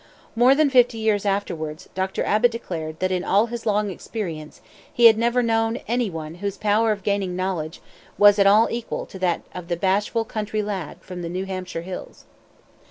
More than fifty years afterwards, Dr. Abbott declared that in all his long experience he had never known any one whose power of gaining knowledge was at all equal to that of the bashful country lad from the New Hampshire hills.